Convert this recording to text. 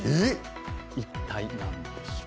一体、なんでしょう？